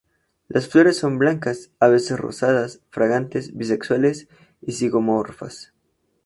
Las flores son blancas, a veces rosadas, fragantes, bisexuales y zigomorfas.